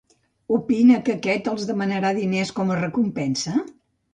Opina que aquest els demanarà diners com a recompensa?